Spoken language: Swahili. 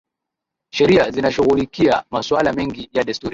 Sheria zinashughulikia masuala mengi ya desturi